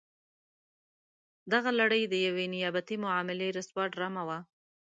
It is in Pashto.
دغه لړۍ د یوې نیابتي معاملې رسوا ډرامه وه.